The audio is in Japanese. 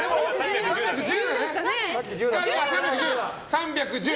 ３１０。